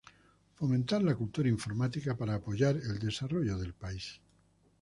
Fomentar la cultura informática para apoyar el desarrollo del país.